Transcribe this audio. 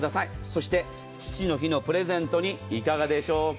そして、父の日のプレゼントにいかがでしょうか。